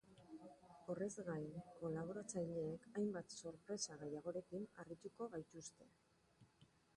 Horrez gain, kolaboratzaileek hainbat sorpresa gehiagorekin harrituko gaituzte.